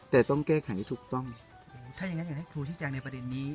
แต่ต้องแก้ไขให้ถูกต้องถ้าอย่างงั้นอยากให้ครูที่แจ้งในประเด็นนี้